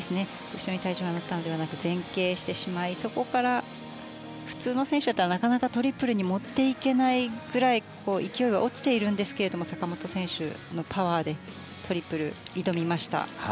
後ろに体重が乗ったのではなく前傾してしまいそこから普通の選手だったらなかなかトリプルに持っていけないぐらい勢いが落ちていますが坂本選手のパワーでトリプルに挑みました。